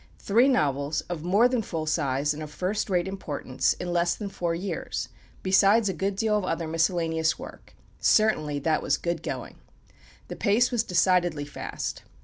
Three novels of more than full size and of first rate importance, in less than four years, besides a good deal of other miscellaneous work certainly that was "good going." The pace was decidedly fast.